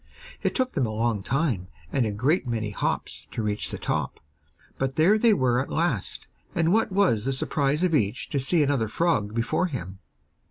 It took them a long time and a great many hops to reach the top, but there they were at last, and what was the surprise of each to see another frog before him!